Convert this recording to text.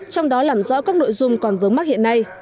trong đó làm rõ các nội dung còn vướng mắc hiện nay